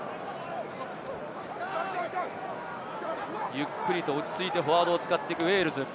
ゆっくりと落ち着いてフォワードを使っていくウェールズ。